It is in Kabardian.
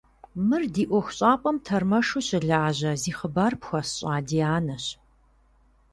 Мыр ди ӏуэхущӏапӏэм тэрмэшу щылажьэ, зи хъыбар пхуэсщӏа Дианэщ.